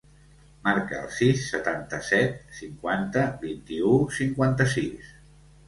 Marca el sis, setanta-set, cinquanta, vint-i-u, cinquanta-sis.